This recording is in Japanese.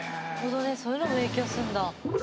そういうのも影響するんだ。